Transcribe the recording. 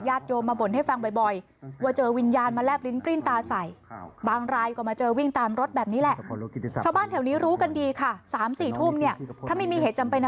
ญาติโยมมาบ่นให้ฟังบ่อยว่าเจอวิญญาณมาแลบลิ้นกริ้นตาใส่